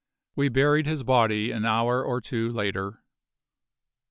We buried his body an hour or two later.